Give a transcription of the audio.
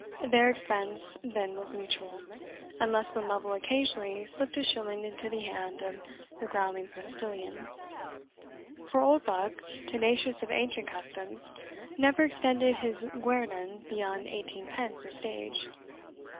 Their expense then was mutual, unless when Lovel occasionally slipt a shilling into the hand of a growling postilion; for Oldbuck, tenacious of ancient customs, never extended his guerdon beyond eighteen pence a stage.